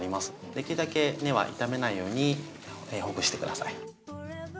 できるだけ根は傷めないようにほぐして下さい。